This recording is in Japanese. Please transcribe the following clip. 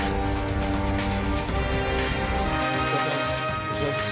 お疲れさまです。